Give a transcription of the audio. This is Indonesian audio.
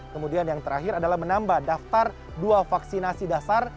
kemudian yang terakhir adalah menambah daftar dua vaksinasi dasar